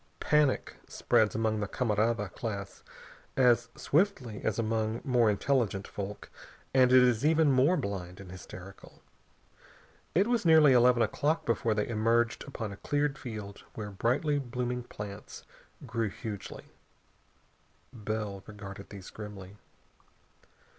Panic spreads among the camarada class as swiftly as among more intelligent folk, and it is even more blind and hysterical. It was nearly eleven o'clock before they emerged upon a cleared field where brightly blooming plants grew hugely. Bell regarded these grimly.